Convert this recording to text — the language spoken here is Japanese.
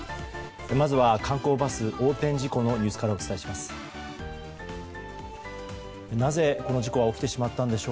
まずは観光バス横転事故のニュースからお伝えします。